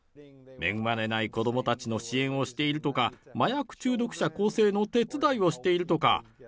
恵まれない子どもたちの支援をしているとか、麻薬中毒者更生の手伝いをしているとか。